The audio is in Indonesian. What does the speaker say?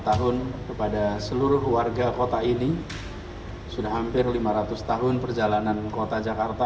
tahun kepada seluruh warga kota ini sudah hampir lima ratus tahun perjalanan kota jakarta